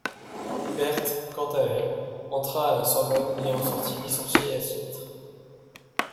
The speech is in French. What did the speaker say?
Berthe, quant à elle, entra à la Sorbonne et en sortit licenciée ès lettres.